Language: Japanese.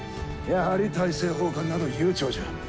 やはり大政奉還など悠長じゃ。